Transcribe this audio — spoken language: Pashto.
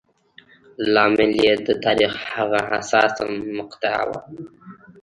لامل یې د تاریخ هغه حساسه مقطعه وه.